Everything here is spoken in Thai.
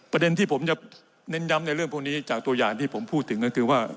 ประเด็นที่ผมจะเน้นย้ำในเรื่องพวกนี้จากตัวอย่างที่ผมพูดถึงก็คือว่า